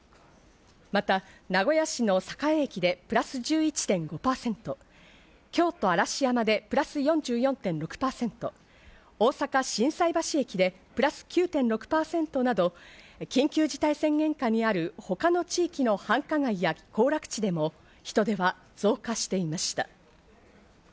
また名古屋市の栄駅でプラス１１．５％、京都・嵐山でプラス４４．６％、大阪・心斎橋駅でプラス９．６％など緊急事態宣言下にある他の地域の繁華街や行楽地でも人出は増加していました。